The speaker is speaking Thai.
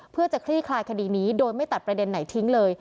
เพื่อจะคลี่คลายคดีนี้โดยไม่ตัดประเด็นไหนทิ้งเลย